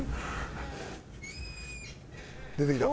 出てきた。